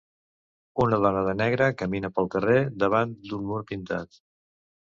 Una dona de negre camina pel carrer davant d'un mur pintat.